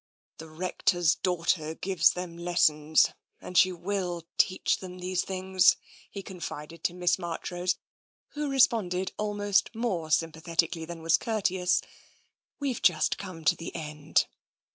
" The Rector's daughter gives them lessons, and she will teach them these things," he confided to Miss Marchrose, who responded almost more sympathet ically than was courteous. " We've just come to the end."